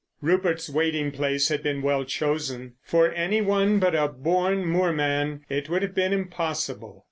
Rupert's waiting place had been well chosen. For anyone but a born moorman it would have been impossible.